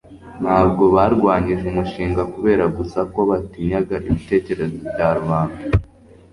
ntabwo barwanyije umushinga kubera gusa ko batinyaga ibitekerezo bya rubanda